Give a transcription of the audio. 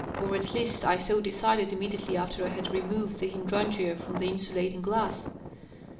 Or at least I so decided immediately after I had removed the hydrangea from the in sulating glass.